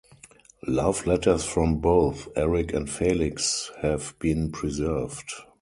Love letters from both Eric and Felix have been preserved.